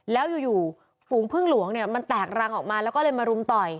แล้วอยู่ฝูงพึ่งหลวงเนี่ยมันแตกรังออกมาแล้วก็เลยมารุมต่อย